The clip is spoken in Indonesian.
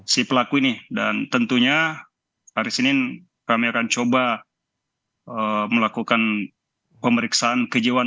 si pelaku ini dan tentunya hari senin kami akan coba melakukan pemeriksaan kejiwaan